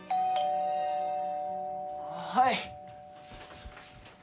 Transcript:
はい。